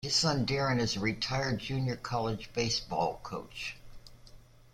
His son Darren is a retired junior college baseball coach.